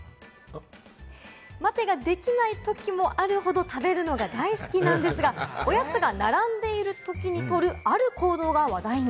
待てができないときもあるほど食べるのが大好きなんですが、おやつが並んでいるときに取る、ある行動が話題に。